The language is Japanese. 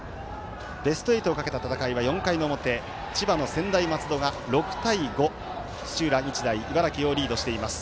ベスト８をかけた戦いは４回の表、千葉の専大松戸が６対５、土浦日大、茨城をリードしています。